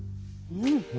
うん。